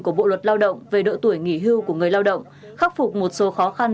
của bộ luật lao động về độ tuổi nghỉ hưu của người lao động khắc phục một số khó khăn